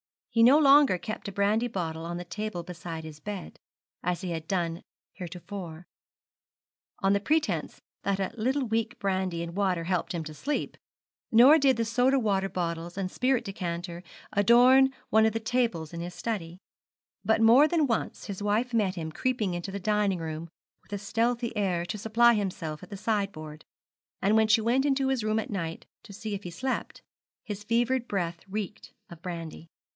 He no longer kept a brandy bottle on the table beside his bed, as he had done heretofore, on the pretence that a little weak brandy and water helped him to sleep, nor did the soda water bottles and spirit decanter adorn one of the tables in his study; but more than once his wife met him creeping to the dining room with a stealthy air to supply himself at the sideboard, and when she went into his room at night to see if he slept, his fevered breath reeked of brandy.